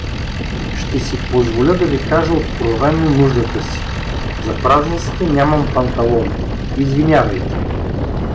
Ще си позволя да ви кажа откровено нуждата си: за празниците нямам панталони, извинявайте.